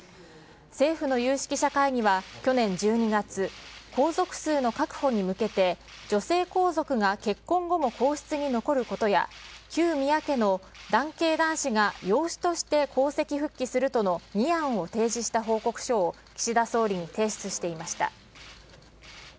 政府の有識者会議は去年１２月、皇族数の確保に向けて、女性皇族が結婚後も皇室に残ることや、旧宮家の男系男子が養子として皇籍復帰するとの２案を提示した報告書を岸田総理に提出していました。